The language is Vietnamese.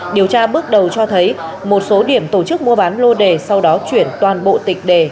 điều tra bước đầu cho thấy một số điểm tổ chức mua bán lô đề sau đó chuyển toàn bộ tịch đề